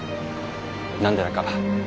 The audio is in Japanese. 何でだか